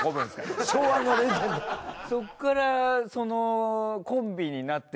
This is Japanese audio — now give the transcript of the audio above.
そっからその。